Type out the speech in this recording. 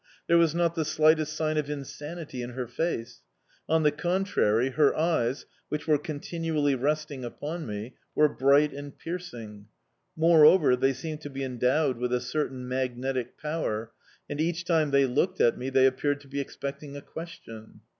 There was not the slightest sign of insanity in her face; on the contrary, her eyes, which were continually resting upon me, were bright and piercing. Moreover, they seemed to be endowed with a certain magnetic power, and each time they looked at me they appeared to be expecting a question.